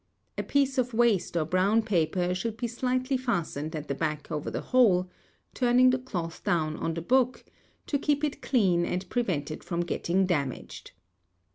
A piece of waste or brown paper should be slightly fastened at the back over the whole, (turning the cloth down on the book) to keep it clean and prevent it from getting damaged.